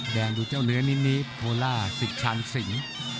แดงดูเจ้าเหลือนินิโคล่าสิทธิ์ชันสิง